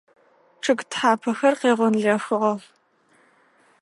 Чъыг тхьапэхэр къегъонлэхыгъэх.